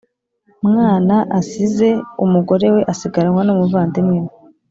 mwana asize umugore we asigaranwa n umuvandimwe we